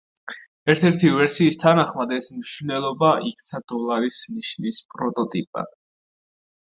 ერთ-ერთი ვერსიის თანახმად, ეს მნიშვნელობა იქცა დოლარის ნიშნის პროტოტიპად.